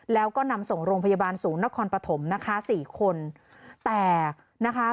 แล้วก็นำส่งโรงพยาบาลศูนย์นครปฐมนะคะสี่คนแต่นะคะ